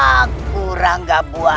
jangan mengaku aku ranggabwana